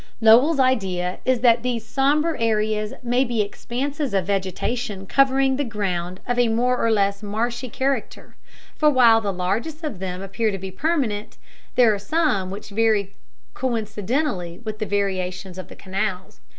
Lowell's idea is that these sombre areas may be expanses of vegetation covering ground of a more or less marshy character, for while the largest of them appear to be permanent, there are some which vary coincidently with the variations of the canals.